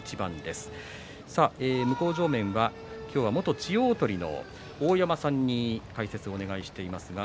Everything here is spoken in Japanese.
向正面は今日は元千代鳳の大山さんに解説をお願いしています。